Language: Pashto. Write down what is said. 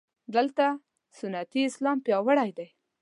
دلته سنتي اسلام پیاوړی دی.